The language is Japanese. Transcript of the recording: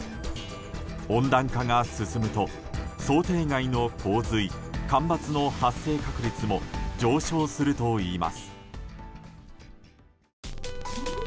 温暖化が進むと、想定外の洪水・干ばつの発生確率も上昇するといいます。